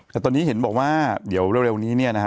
แต่ตอนนี้เห็นบอกว่าเดี๋ยวเร็วนี้เนี่ยนะฮะ